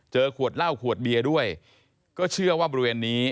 ขวดเหล้าขวดเบียร์ด้วยก็เชื่อว่าบริเวณนี้